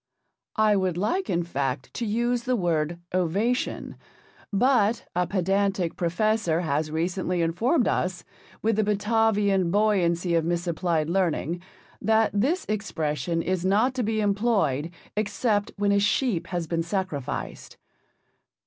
I would like, in fact, to use the word ovation, but a pedantic professor has recently informed us, with the Batavian buoyancy of misapplied learning, that this expression is not to be employed except when a sheep has been sacrificed.